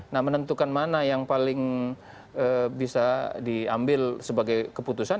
nah menentukan mana yang paling bisa diambil sebagai keputusan